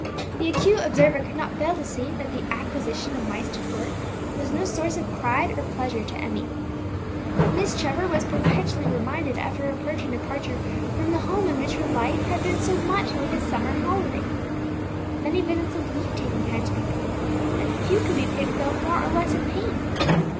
The acute observer could not fail to see that the acquisition of Myst Court was no source of pride or pleasure to Emmie. Miss Trevor was perpetually reminded of her approaching departure from the home in which her life had been so much like a summer holiday. Many visits of leave taking had to be paid, and few could be paid without more or less of pain.